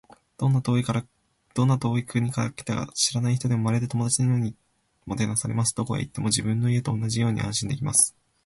どんな遠い国から来た知らない人でも、まるで友達のようにもてなされます。どこへ行っても、自分の家と同じように安心できます。